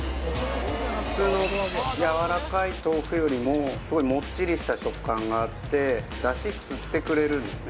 普通のやわらかい豆腐よりもすごいもっちりした食感があって出汁吸ってくれるんですね